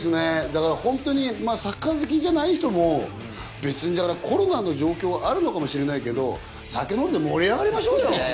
だからホントにサッカー好きじゃない人もコロナの状況はあるのかもしれないけど酒飲んで盛り上がりましょうよ。